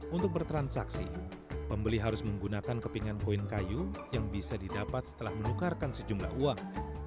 untuk bertransaksi pembeli harus menggunakan kepingan koin kayu yang bisa didapat setelah menukarkan sejumlah uang